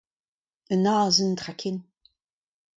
Un azen, tra ken.